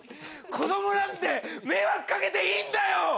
子供なんて迷惑かけていいんだよ！